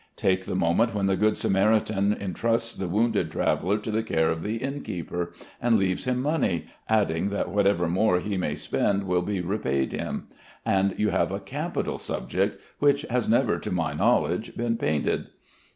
Take the moment when the good Samaritan intrusts the wounded traveller to the care of the innkeeper, and leaves him money, adding that whatever more he may spend will be repaid him; and you have a capital subject, which has never, to my knowledge, been painted.